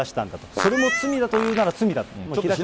それも罪だというなら罪だと。